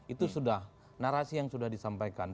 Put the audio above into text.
itu sudah narasi yang sudah disampaikan